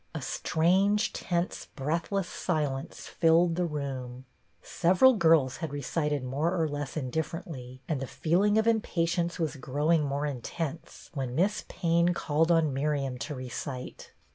A strange, tense, breathless silence filled the room. Several girls had recited more or less in differently, and the feeling of impatience was growing more intense, when Miss Payne called on Miriam to recite.